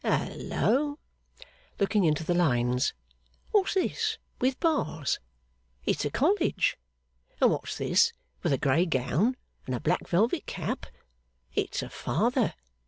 Hallo!' looking into the lines. 'What's this with bars? It's a College! And what's this with a grey gown and a black velvet cap? it's a father!